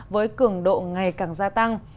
với cường độ ngày càng gia tăng